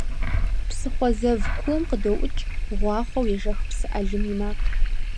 Псыхъуэ зэв куум къыдоӀукӀ гъуахъуэу ежэх псы Ӏэлым и макъ.